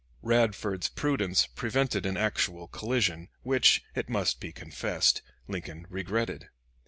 Radford's prudence prevented an actual collision, which, it must be confessed, Lincoln regretted.